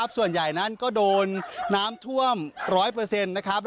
สวัสดีครับ